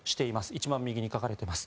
一番右に書かれています。